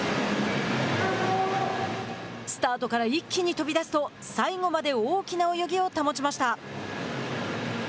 スタートから一気に飛び出すと最後まで大きな泳ぎを保ちました。